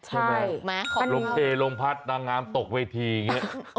ใช่ลมเพลลมพัดดังงามตกเวทีอย่างนี้